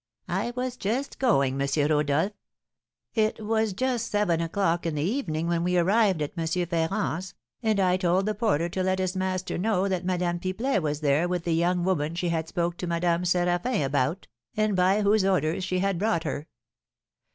"I was just going, M. Rodolph. It was just seven o'clock in the evening when we arrived at M. Ferrand's, and I told the porter to let his master know that Madame Pipelet was there with the young woman she had spoke to Madame Séraphin about, and by whose orders she had brought her.